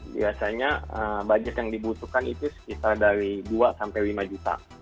biasanya budget yang dibutuhkan itu sekitar dari dua sampai lima juta